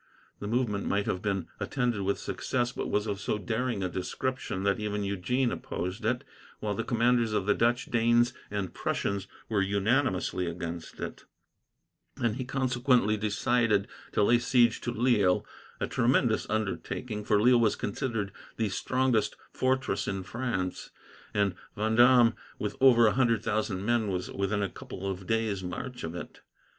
The movement might have been attended with success, but was of so daring a description that even Eugene opposed it, while the commanders of the Dutch, Danes, and Prussians were unanimously against it; and he consequently decided to lay siege to Lille a tremendous undertaking, for Lille was considered the strongest fortress in France, and Vendome, with over a hundred thousand men, was within a couple of days' march of it.